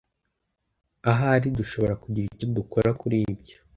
Ahari dushobora kugira icyo dukora kuri ibyo.